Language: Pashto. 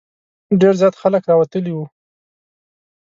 ډېر زیات خلک راوتلي وو.